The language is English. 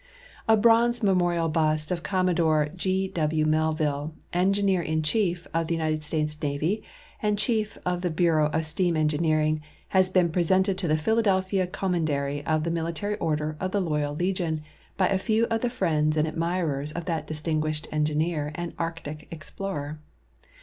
A Bronze Memori.vl Bust of Commodore G. W. Melville, Engineer in Chief of the United States Navy and Chief of the Bureau of Steam Engineering, has been presented to the Philadelphia Commander}' of the Military Order of the Loyal Legion by a few of the friends and admirers of that distinguished engineer and arctic explorer.